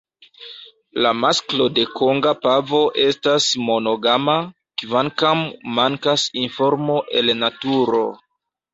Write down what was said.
La masklo de Konga pavo estas monogama, kvankam mankas informo el naturo.